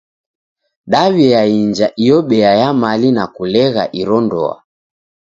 Daw'iainja iyo bea ya mali na kulegha iro ndoa.